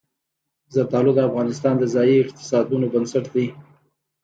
زردالو د افغانستان د ځایي اقتصادونو بنسټ دی.